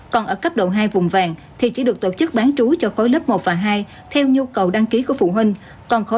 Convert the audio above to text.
còn ở cấp độ hai vùng vàng thì chỉ được tổ chức bán trú cho khối lớp một và hai theo nhu cầu đăng ký của phụ huynh